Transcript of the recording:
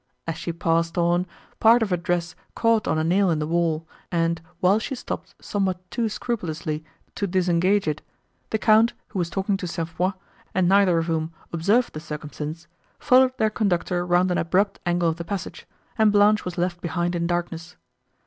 As she passed on, part of her dress caught on a nail in the wall, and, while she stopped, somewhat too scrupulously, to disengage it, the Count, who was talking to St. Foix, and neither of whom observed the circumstance, followed their conductor round an abrupt angle of the passage, and Blanche was left behind in darkness.